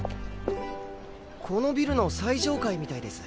このビルの最上階みたいです。